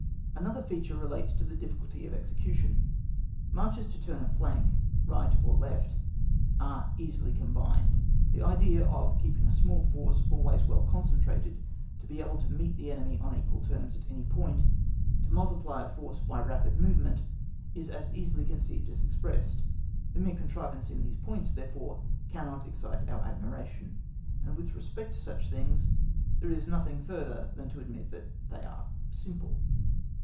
Another feature relates to the difficulty of execution. Marches to turn a flank, right or left, are easily combined; the idea of keeping a small force always well concentrated to be able to meet the enemy on equal terms at any point, to multiply a force by rapid movement, is as easily conceived as expressed; the mere contrivance in these points, therefore, cannot excite our admiration, and with respect to such simple things, there is nothing further than to admit that they are simple.